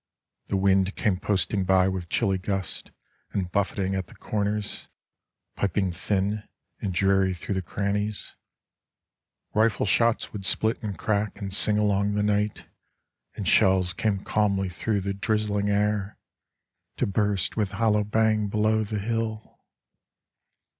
The wind came posting by with chilly gusts And buffeting at the corners, piping thin. And dreary through the crannies; rifle shots Would split and crack and sing along the night, And shells came calmly through the drizzling air To burst with hollow bang below the hill.